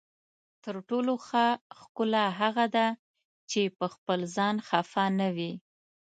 تر ټولو ښه ښکلا هغه ده چې پخپل ځان خفه نه وي.